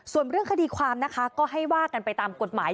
ส่วนเรื่องคดีความนะคะก็ให้ว่ากันไปตามกฎหมาย